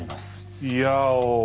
いやおぉ。